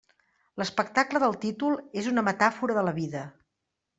L'espectacle del títol és una metàfora de la vida.